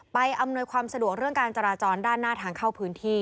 อำนวยความสะดวกเรื่องการจราจรด้านหน้าทางเข้าพื้นที่